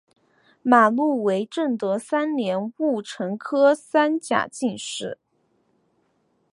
马录为正德三年戊辰科三甲进士。